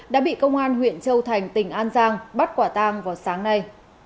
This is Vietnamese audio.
đã bị công an huyện châu thành tỉnh an giang bắt quả tang vào sáng nay